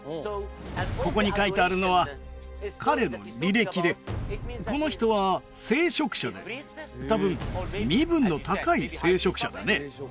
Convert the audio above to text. ここにかいてあるのは彼の履歴でこの人は聖職者で多分身分の高い聖職者だね